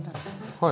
はい。